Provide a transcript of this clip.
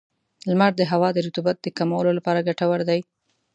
• لمر د هوا د رطوبت د کمولو لپاره ګټور دی.